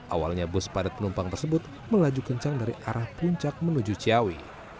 awalnya bus padat penumpang tersebut melaju kencang dari arah puncak menuju ciawi